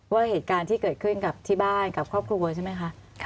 ว่าเหตุการณ์ที่เกิดขึ้นกับที่บ้านกับครอบครัวใช่ไหมคะ